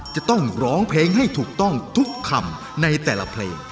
จะต้องร้องเพลงให้ถูกต้องทุกคำในแต่ละเพลง